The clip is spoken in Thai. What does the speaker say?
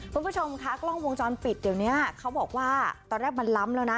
คุณผู้ชมคะกล้องวงจรปิดเดี๋ยวนี้เขาบอกว่าตอนแรกมันล้ำแล้วนะ